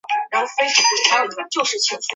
赖特韦因是德国勃兰登堡州的一个市镇。